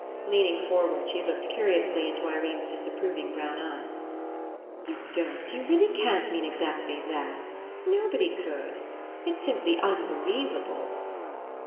Leaning forward, she looked curiously into Irene's disapproving brown eyes. "You don't, you really can't mean exactly that! Nobody could. It's simply unbe lievable."